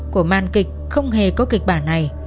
của màn kịch không hề có kịch bản này